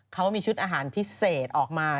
เขามีชุดอาหารพิเศษออกมา